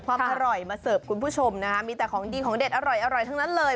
ความอร่อยมาเสิร์ฟคุณผู้ชมนะคะมีแต่ของดีของเด็ดอร่อยทั้งนั้นเลย